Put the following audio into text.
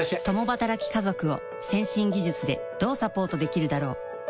共働き家族を先進技術でどうサポートできるだろう？